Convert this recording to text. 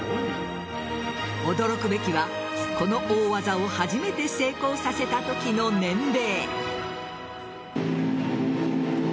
驚くべきはこの大技を初めて成功させたときの年齢。